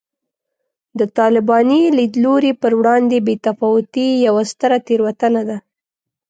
د طالباني لیدلوري پر وړاندې بې تفاوتي یوه ستره تېروتنه ده